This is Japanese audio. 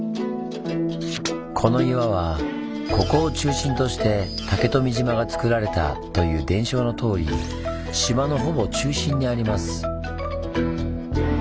この岩は「ここを中心として竹富島がつくられた」という伝承のとおり島のほぼ中心にあります。